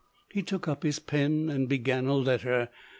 He took up his pen, and began a letter.